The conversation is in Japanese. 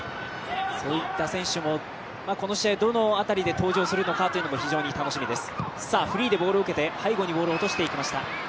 そういった選手もこの試合、どの辺りで登場するのかというのも非常に楽しみです。